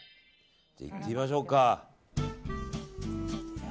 いってみましょうか。